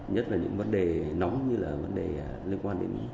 nhất là những vấn đề nóng như là vấn đề liên quan đến